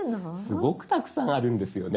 すごくたくさんあるんですよね。